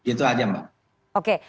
itu saja mbak oke